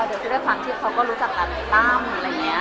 แล้วก็ด้วยความที่เขาก็รู้จักกันตั้มอะไรอย่างเนี้ย